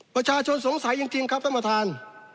ประชาชนสงสัยจริงครับท่านประธาน